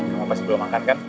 kamu pasti belum makan kan